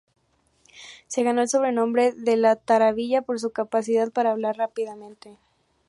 Se ganó el sobrenombre de "La Tarabilla" por su capacidad para hablar rápidamente.